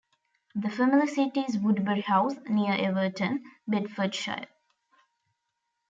The family seat is Woodbury House, near Everton, Bedfordshire.